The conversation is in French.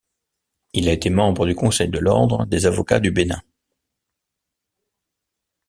Il a été membre du Conseil de l'Ordre des Avocats du Bénin.